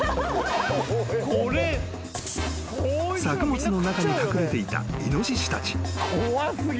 ［作物の中に隠れていたイノシシたち］